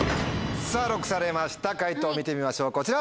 さぁＬＯＣＫされました解答見てみましょうこちら！